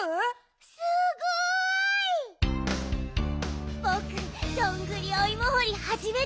すごい！ぼくどんぐりおいもほりはじめて！